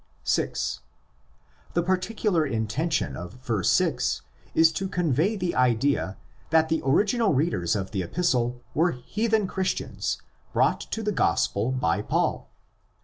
(6) The particular intention of verse 6 is to convey the idea that the original readers of the Epistle were heathen Christians brought to the Gospel by Paul.